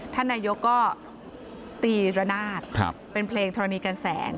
ท่านนายกก็ตีระนาดเป็นเพลงธรณีกันแสง